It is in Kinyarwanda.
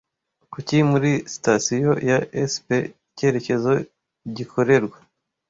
Kuki Muri sitasiyo ya sp icyerekezo gikorerwa